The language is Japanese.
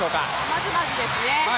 まずまずですね。